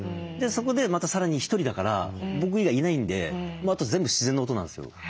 そこでまたさらにひとりだから僕以外いないんであと全部自然の音なんですよ。